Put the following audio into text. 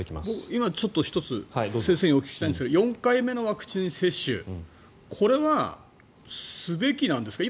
今、ちょっと１つ先生にお聞きしたいんですが４回目のワクチン接種これはすべきなんですか？